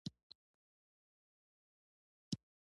نوی کتاب ذهن رڼا کوي